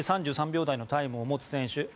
３３秒台のタイムを持つ選手